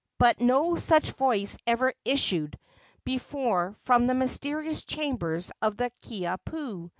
But no such voice ever issued before from the mysterious chambers of the Kiha pu.